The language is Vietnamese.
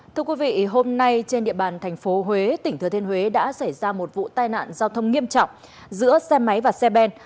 thưa quý vị hôm nay trên địa bàn thành phố huế tỉnh thừa thiên huế đã xảy ra một vụ tai nạn giao thông nghiêm trọng giữa xe máy và xe ben